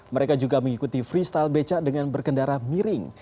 mereka juga mengikuti freestyle becak dengan berkendara miring